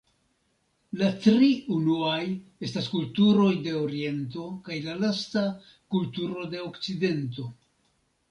La tri unuaj estas kulturoj de Oriento kaj la lasta kulturo de Okcidento.